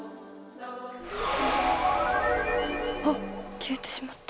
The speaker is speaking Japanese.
消えてしまった。